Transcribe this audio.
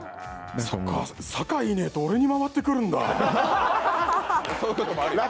そうか、酒井いねーと俺に回ってくるんだ。